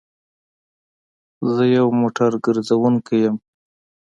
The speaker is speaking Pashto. زه يو موټر ګرځونکی يم